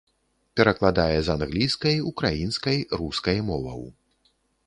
Перакладае з англійскай, украінскай, рускай моваў.